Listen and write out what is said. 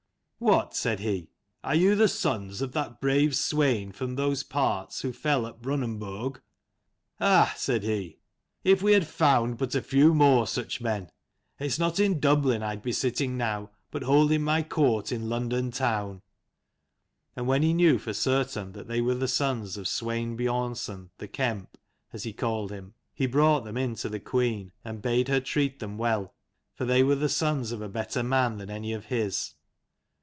" What," said he, " are you the sons of that brave Swein from those parts who fell at Brunanburg ? Ah !" said he, " if we had found but a few more such men, it's not in Dublin I'd be sitting now, but holding my court in London town." And when he knew for certain that they were the sons of Swein Biornson the kemp, as he called him, he brought them in to the queen, and bade her treat them well, for they were the sons of a better man than any of his.